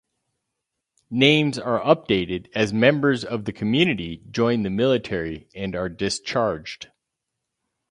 Names are updated as members of the community join the military and are discharged.